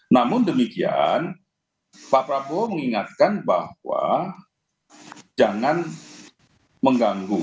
namun demikian pak prabowo mengingatkan bahwa jangan mengganggu